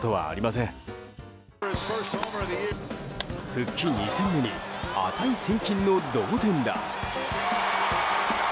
復帰２戦目に値千金の同点弾。